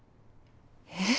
えっ？